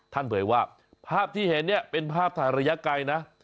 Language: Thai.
เผยว่าภาพที่เห็นเนี่ยเป็นภาพถ่ายระยะไกลนะ